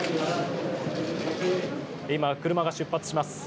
今、車が出発します。